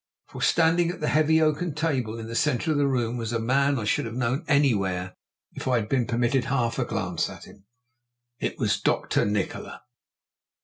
For, standing at the heavy oaken table in the centre of the room, was a man I should have known anywhere if I had been permitted half a glance at him. _It was Dr. Nikola.